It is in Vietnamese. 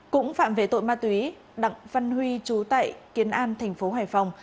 cũng phạm về tội ma túy đặng văn huy trú tại kiến an tp hcm